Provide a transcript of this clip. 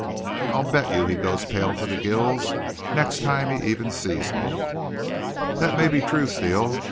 I'll bet you he goes pale to the gills next time he even sees me." "That may be true, Steele.